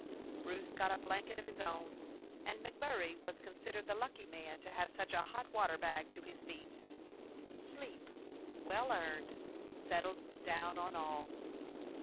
Bruce got a blanket of his own, and MacMurray was considered the lucky man to have such a hot water bag to his feet. Sleep, well earned, settled down on all.